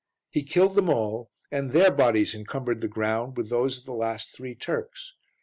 He killed them all and their bodies encumbered the ground with those of the last three Turks.